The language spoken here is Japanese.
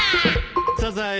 サザエ